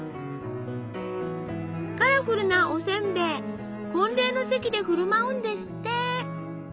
カラフルなおせんべい婚礼の席で振る舞うんですって！